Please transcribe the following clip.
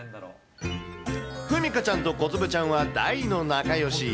ふみかちゃんとこつぶちゃんは、大の仲よし。